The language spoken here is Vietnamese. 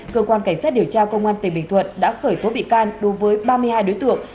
cơ quan cảnh sát điều tra công an tỉnh bình thuận đã khởi tố bị can đối với ba mươi hai đối tượng